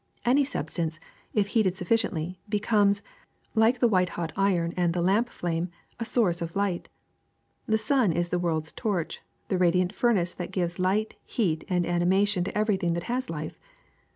Any substance, if heated sufficiently, be comes, like the white hot iron and the lamp flame, a source of light. The sun is the world's torch, the radiant furnace that gives light, heat, and animation to everything, that has life.